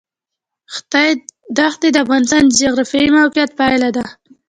ښتې د افغانستان د جغرافیایي موقیعت پایله ده.